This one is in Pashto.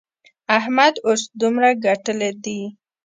احمد اوس دومره ګټلې دي.